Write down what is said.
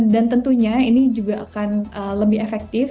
dan tentunya ini juga akan lebih efektif